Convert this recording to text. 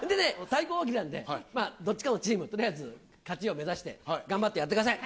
対抗大喜利なんでね、どっちかのチーム、とりあえず勝ちを目指して頑張ってやってください。